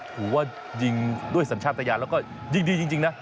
ถือว่ายิงด้วยสัญชาติตะยานแล้วก็ยิงดีจริงนะ